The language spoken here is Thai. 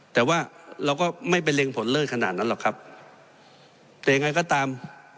แต่ว่าเราก็ไม่ไปเร็งผลเลิศขนาดนั้นหรอกครับแต่ยังไงก็ตาม